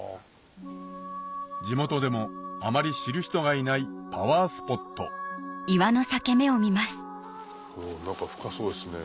地元でもあまり知る人がいないパワースポット中深そうですね。